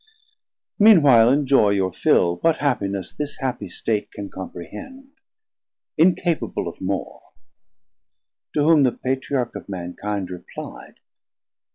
Mean while enjoy Your fill what happiness this happie state Can comprehend, incapable of more. To whom the Patriarch of mankind repli'd.